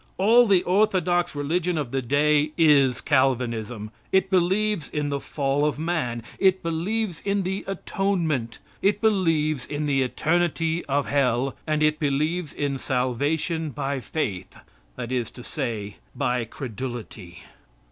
All the orthodox religion of the day is Calvinism. It believes in the fall of man. It believes in the atonement. It believes in the eternity of Hell, and it believes in salvation by faith; that is to say, by credulity.